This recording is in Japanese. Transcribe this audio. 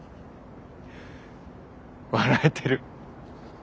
笑えてる。